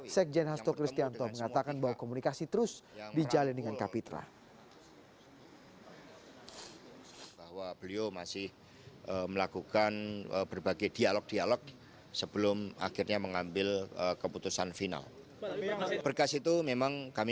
sekjen hasdo christianto mengatakan bahwa komunikasi terus dijalin dengan kapitra